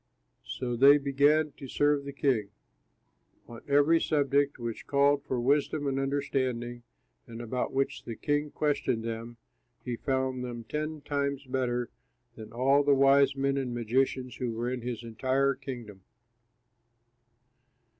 So they began to serve the king. On every subject which called for wisdom and understanding and about which the king questioned them, he found them ten times better than all the wise men and magicians who were in his entire kingdom.